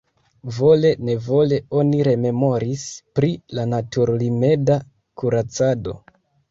Vole-nevole oni rememoris pri la natur-rimeda kuracado.